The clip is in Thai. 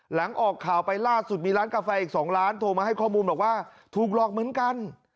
หลังออกข่าวไปล่าสุดมีร้านกาแฟอีก๒ล้านโทรมาให้ข้อมูลบอกว่าถูกหลอกเหมือนกัน